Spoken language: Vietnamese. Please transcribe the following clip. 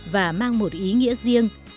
và mang một ý nghĩa riêng